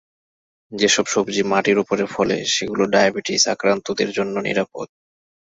যেসব সবজি মাটির ওপরে ফলে সেগুলো ডায়াবেটিস আক্রান্তদের জন্য নিরাপদ।